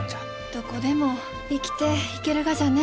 どこでも生きていけるがじゃね。